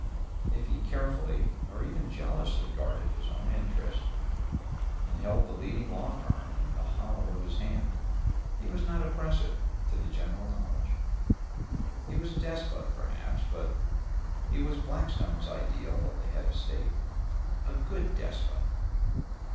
If he carefully, or even jealously guarded his own interests, and held the leading law firm in the hollow of his hand, he was not oppressive, to the general knowledge. He was a despot, perhaps, but he was Blackstone's ideal of the head of a state, a good despot.